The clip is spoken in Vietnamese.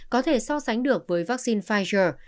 có thể so sánh được với vaccine pfizer